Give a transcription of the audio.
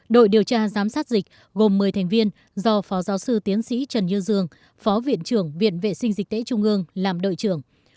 đội điều tra giám sát dịch gồm một mươi thành viên do phó giáo sư tiến sĩ trần như dương phó viện trưởng viện vệ sinh dịch tễ trung ương làm đội trưởng